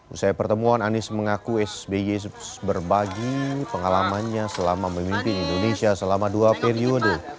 usai pertemuan anies mengaku sby berbagi pengalamannya selama memimpin indonesia selama dua periode